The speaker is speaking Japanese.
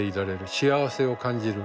幸せを感じる。